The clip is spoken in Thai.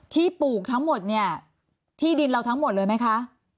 ปลูกทั้งหมดเนี่ยที่ดินเราทั้งหมดเลยไหมคะ